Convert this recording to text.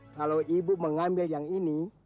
kalau ibu mengambil yang ini